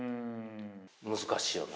難しいよな。